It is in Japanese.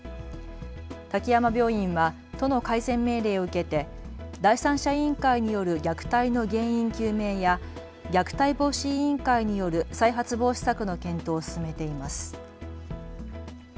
滝山病院は都の改善命令を受けて第三者委員会による虐待の原因究明や虐待防止委員会による再発防止策の検討を進めています。